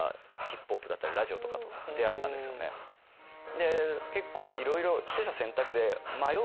で結構いろいろ。